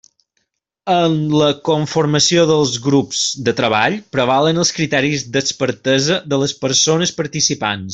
En la conformació dels grups de treball prevalen els criteris d'expertesa de les persones participants.